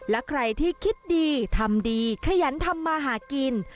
และใครที่คิดดีทำดีขยันทำมาหากิน